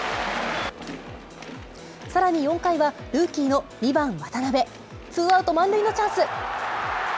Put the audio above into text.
さらに４回は、ルーキーの２番渡部、ツーアウト満塁のチャンス。